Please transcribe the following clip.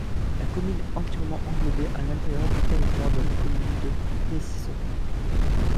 La commune est entièrement englobée à l'intérieur du territoire de la commune de Kněžice.